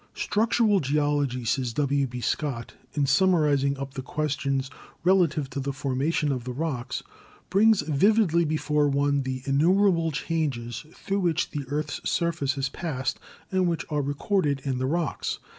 "Structural geology," says W. B. Scott, in summarizing up the questions relative to the formation of the rocks, "brings vividly before one the innumerable changes through which the earth's surface has passed and which are recorded in the rocks.